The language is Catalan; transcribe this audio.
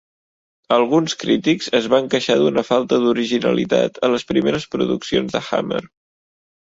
Alguns crítics es van queixar d'una falta d'originalitat a les primeres produccions de Hammer.